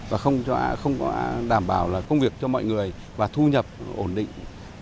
và không có đảm bảo là công việc cho mọi người và thu nhập ổn định